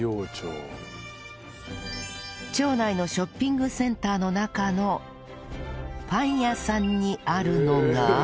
町内のショッピングセンターの中のパン屋さんにあるのが